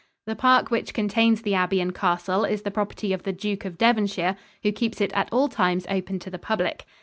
The park which contains the abbey and castle is the property of the Duke of Devonshire, who keeps it at all times open to the public.